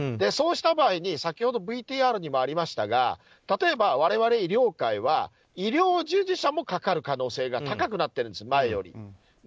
そうした場合に先ほどＶＴＲにもありましたが例えば我々医療界は医療従事者もかかる可能性が高くなっているんです、前より。